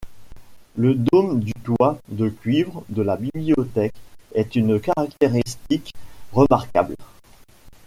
Le dôme du toit de cuivre de la bibliothèque est une caractéristique remarquable.